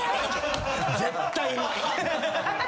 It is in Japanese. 絶対に。